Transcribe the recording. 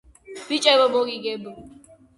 ბიჭებო მოგიგებ